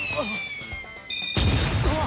うわっ！